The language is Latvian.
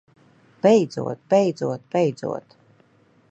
Beidzot! Beidzot! Beidzot!